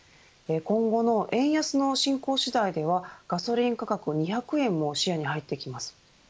今後の円安の進行次第ではガソリン価格２００円も視野に入ってきます。